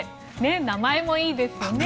名前もいいですね。